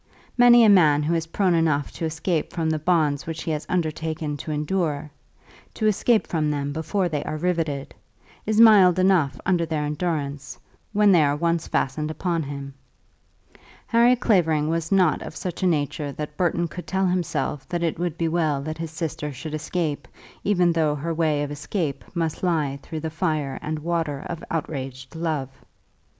Many a man who is prone enough to escape from the bonds which he has undertaken to endure, to escape from them before they are riveted, is mild enough under their endurance, when they are once fastened upon him. Harry Clavering was not of such a nature that Burton could tell himself that it would be well that his sister should escape even though her way of escape must lie through the fire and water of outraged love.